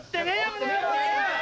この野郎！